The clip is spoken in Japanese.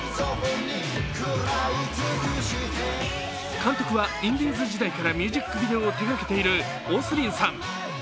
監督はインディーズ時代からミュージックビデオを手がけているＯＳＲＩＮさん。